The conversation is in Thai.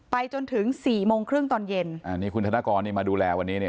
ไปจนถึง๔โมงครึ่งตอนเย็นนี่คุณธนกรมาดูแลวันนี้